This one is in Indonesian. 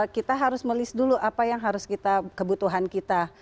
kita harus melis dulu apa yang harus kita kebutuhan kita